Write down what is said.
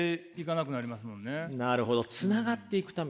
なるほどつながっていくために。